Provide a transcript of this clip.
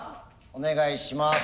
お願いします。